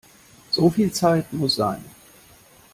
So viel Zeit muss sein!